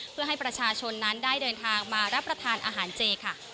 เพื่อให้ประชาชนนั้นได้เดินทางมารับประทานอาหารเจค่ะ